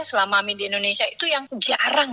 selama amin di indonesia itu yang jarang